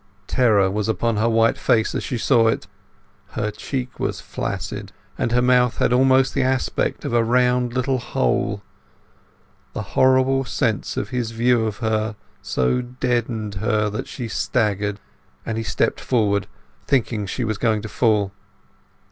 Terror was upon her white face as she saw it; her cheek was flaccid, and her mouth had almost the aspect of a round little hole. The horrible sense of his view of her so deadened her that she staggered, and he stepped forward, thinking she was going to fall.